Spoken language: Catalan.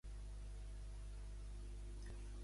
Com es declara a Caune?